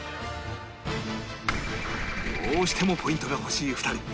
どうしてもポイントが欲しい２人